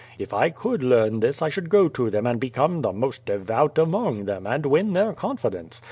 If I could learn this I should go to them and become the most devout among them and win their confidence.